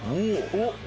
おっ！